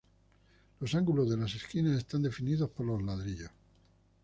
Los ángulos de las esquinas están definidos por ladrillos.